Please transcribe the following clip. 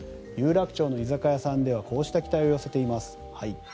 有楽町の居酒屋さんではこうした期待を寄せています。